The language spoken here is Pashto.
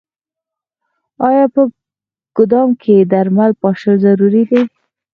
آیا په ګدام کې درمل پاشل ضروري دي؟